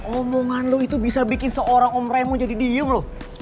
omongan lu itu bisa bikin seorang om remo jadi diem loh